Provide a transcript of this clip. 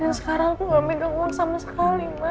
dan sekarang aku gak ambil uang sama sekali ma